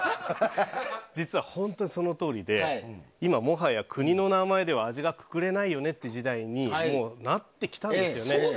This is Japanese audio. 実は本当にそのとおりでもはや国の名前だけじゃ味がくくれないよねっていう時代にもうなってきたんですよね。